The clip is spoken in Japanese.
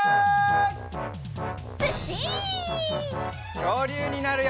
きょうりゅうになるよ！